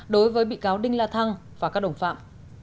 đối với bị cáo đinh la thăng và các đồng phạm